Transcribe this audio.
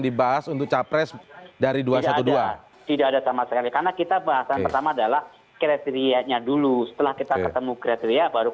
itu di cawa pres munculnya